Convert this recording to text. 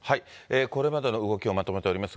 これまでの動きをまとめております。